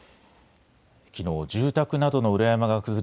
きのう、住宅などの裏山が崩れ